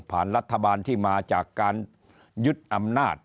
รัฐบาลที่มาจากการยึดอำนาจ